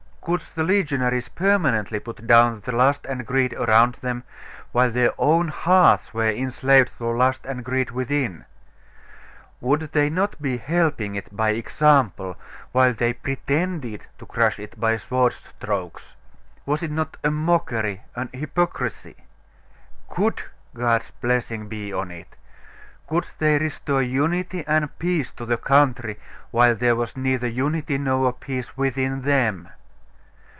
Could the legionaries permanently put down the lust and greed around them, while their own hearts were enslaved to lust and greed within? Would they not be helping it by example, while they pretended to crush it by sword strokes? Was it not a mockery, an hypocrisy? Could God's blessing be on it? Could they restore unity and peace to the country while there was neither unity nor peace within them?